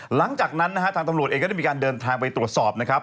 หลังจากนั้นนะฮะทางตำรวจเองก็ได้มีการเดินทางไปตรวจสอบนะครับ